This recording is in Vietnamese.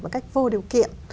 một cách vô điều kiện